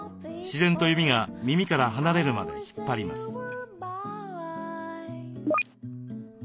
自然と指が耳から離れるまで引っ張ります。